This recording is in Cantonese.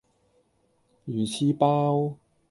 魚翅包